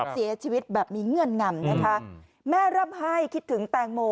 เสียชีวิตแบบมีเงื่อนงำนะคะแม่ร่ำไห้คิดถึงแตงโม